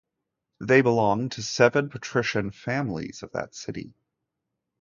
They belonged to seven patrician families of that city.